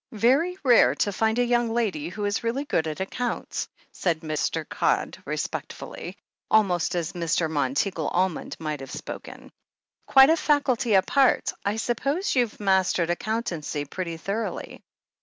"Very rare to find a young lady who is really good at accounts," said Mr. Codd respectfully, almost as Mr. Monteagle Almond might have spoken. "Quite a faculty apart. I suppose you've mastered accountancy pretty thoroughly?"